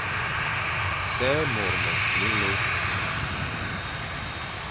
Sè môr meti nlô.